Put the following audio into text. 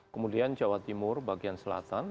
kemudian jawa timur bagian selatan